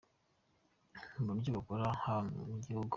mu byo bakora haba gihugu.